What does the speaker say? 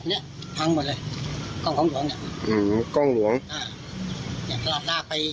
เนี้ยพังหมดเลยกล้องของหลวงเนี้ยอืมกล้องหลวงอ่าเนี้ยก็ลากไป